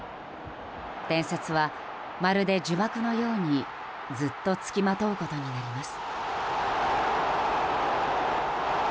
伝説はまるで呪縛のようにずっと付きまとうことになります。